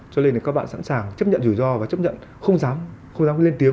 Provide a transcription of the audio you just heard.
cho nên là các bạn sẵn sàng chấp nhận rủi ro và chấp nhận không dám lên tiếng